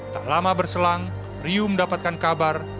tak lama berselang riu mendapatkan kabar